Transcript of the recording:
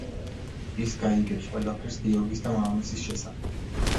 ის გაიგებს ყველაფერს გიორგის და მამამისის შესახებ.